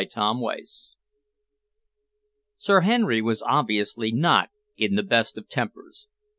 CHAPTER XIV Sir Henry was obviously not in the best of tempers.